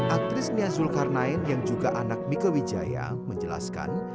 aktris nia zulkarnain yang juga anak mika wijaya menjelaskan